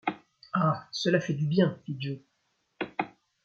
Ah ! cela fait du bien ! fit Joe.